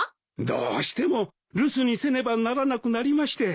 どうしても留守にせねばならなくなりまして。